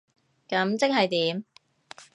噉即係點？